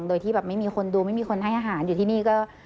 โดยที่แบบไม่มีคนดูไม่มีคนให้อาหารอยู่ที่นี่ก็